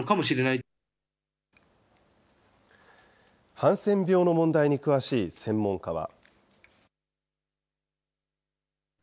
ハンセン病の問題に詳しい専門家は。